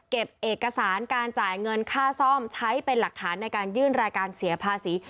เอกสารการจ่ายเงินค่าซ่อมใช้เป็นหลักฐานในการยื่นรายการเสียภาษี